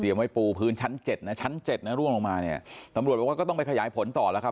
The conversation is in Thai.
ไว้ปูพื้นชั้นเจ็ดนะชั้นเจ็ดนะร่วงลงมาเนี่ยตำรวจบอกว่าก็ต้องไปขยายผลต่อแล้วครับ